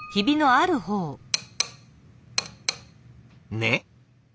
ねっ？